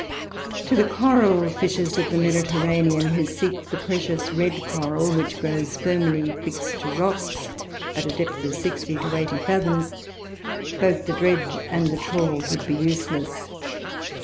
To the coral fishers of the Mediterranean, who seek the precious red coral, which grows firmly fixed to rocks at a depth of sixty to eighty fathoms, both the dredge and the trawl would be useless.